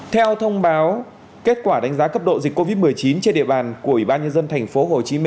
theo thông báo kết quả đánh giá cấp độ dịch covid một mươi chín trên địa bàn của ủy ban nhân dân tp hcm